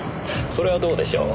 それはどうでしょう。